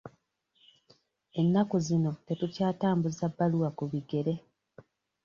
Ennaku zino tetukyatambuza bbaluwa ku bigere.